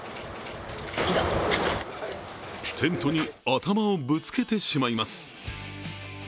テントに頭をぶつけてしまいます。